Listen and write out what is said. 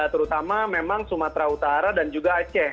terutama memang sumatera utara dan juga aceh